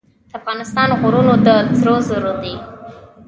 د افغانستان غرونه د سرو زرو دي